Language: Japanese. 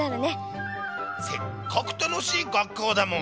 せっかくたのしい学校だもん。